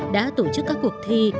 đã tổ chức các cuộc thi